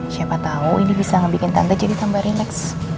siapa tau ini bisa ngebikin tante jadi tambah relax